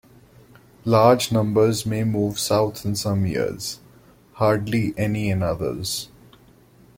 Large numbers may move south in some years; hardly any in others.